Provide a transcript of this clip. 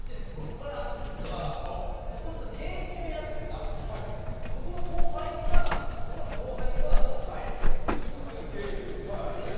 これ、実はもともと芸人をやっていた僕らの後輩が作ってるんです。